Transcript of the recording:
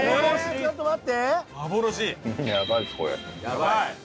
ちょっと待って！